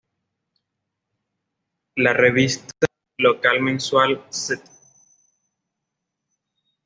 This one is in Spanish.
La revista local mensual "St.